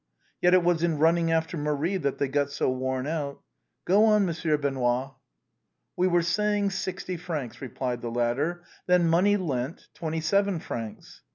Yet it was in running after Marie that they got so worn out. — Go on, Monsieur Benoît." " We were saying sixty francs," replied the latter. " Then money lent, twenty seven francs."